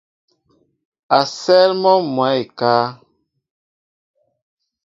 A sέέl mɔ mwɛɛ ékáá.